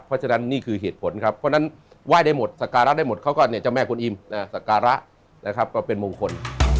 เพราะฉะนั้นนี่คือเหตุผลครับเพราะฉะนั้นไหว้ได้หมดสการะได้หมดเขาก็เนี่ยเจ้าแม่คุณอิมสการะนะครับก็เป็นมงคล